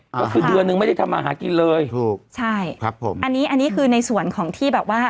ก็คือเดือนนึงไม่ได้ทำมาหากินเลยถูกใช่ครับผมอันนี้อันนี้คือในส่วนของที่แบบว่า